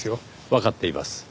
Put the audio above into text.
わかっています。